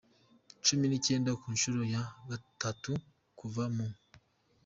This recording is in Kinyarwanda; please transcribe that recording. cumi n’icyenda ku nshuro ya gatatu kuva mu